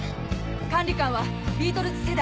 管理官はビートルズ世代。